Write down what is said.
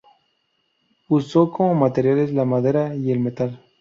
Usó como materiales la madera y el metal.